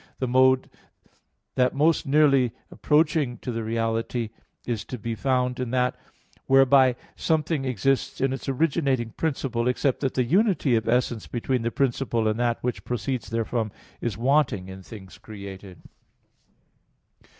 The mode the most nearly approaching to the reality is to be found in that whereby something exists in its originating principle, except that the unity of essence between the principle and that which proceeds therefrom is wanting in things created.